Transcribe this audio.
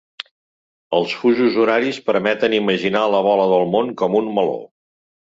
Els fusos horaris permeten imaginar la bola del món com un meló.